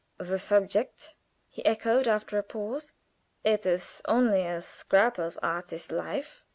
] "The subject?" he echoed, after a pause. "It is only a scrap of artist life."